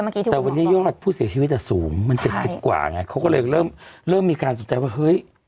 เมื่อกี้ที่คุณหมอบอกว่าแต่วันนี้ยอดผู้เสียชีวิตอ่ะสูงมันเจ็ดสิบกว่าไงเขาก็เลยเริ่มเริ่มมีการสนุนใจว่าเฮ้ย